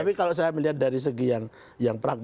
tapi kalau saya melihat dari segi yang perang